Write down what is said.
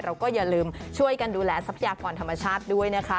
อย่าลืมช่วยกันดูแลทรัพยากรธรรมชาติด้วยนะคะ